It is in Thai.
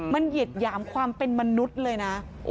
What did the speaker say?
มันเหยียดหยามความเป็นมนุษย์เลยนะ